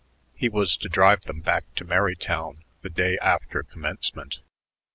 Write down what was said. He was to drive them back to Merrytown the day after commencement.